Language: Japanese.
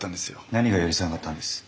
何が許せなかったんです？